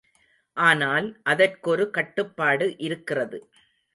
ஆனால், அதற்கொரு கட்டுப்பாடு இருக்கிறது.